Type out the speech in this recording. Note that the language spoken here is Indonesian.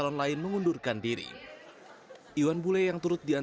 dunia semua bertekad untuk kongres terkembang